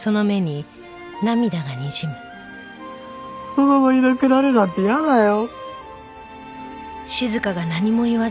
このままいなくなるなんて嫌だよ。